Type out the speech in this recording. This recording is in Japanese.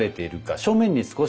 正面に少し。